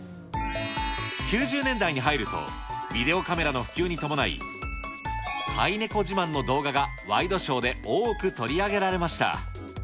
９０年代に入ると、ビデオカメラの普及に伴い、飼いネコ自慢の動画がワイドショーで多く取り上げられました。